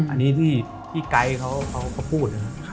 อันนี้ที่ไก๊เขาก็พูดนะครับ